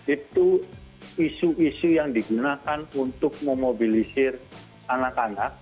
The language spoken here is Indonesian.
itu isu isu yang digunakan untuk memobilisir anak anak